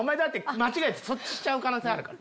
間違えてそっちしちゃう可能性あるから。